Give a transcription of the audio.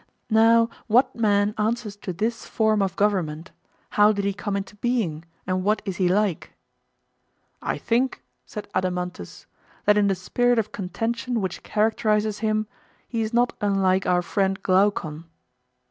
Now what man answers to this form of government how did he come into being, and what is he like? I think, said Adeimantus, that in the spirit of contention which characterises him, he is not unlike our friend Glaucon.